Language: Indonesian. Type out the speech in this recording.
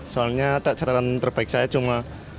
soalnya catatan terbaik saya cuma